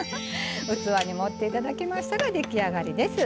器に盛っていただきましたら出来上がりです。